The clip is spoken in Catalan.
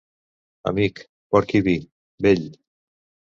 Amic, porc i vi, vell.